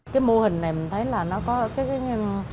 cái mô hình này mình thấy là nó có cái